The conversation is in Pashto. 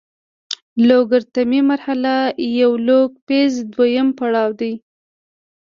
لوګارتمي مرحله یا لوګ فیز دویم پړاو دی.